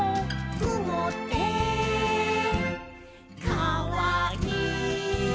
「くもってかわいい」